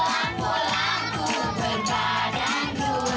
si abang mulai berlaga pikul